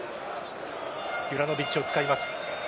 ユラノヴィッチを使います。